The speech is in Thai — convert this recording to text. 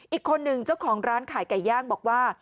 อีกคนนึงเจ้าของร้านขายไก่ย่างบอกว่า